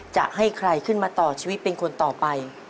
จะให้ใครขึ้นมาต่อชีวิตเป็นคนต่อไป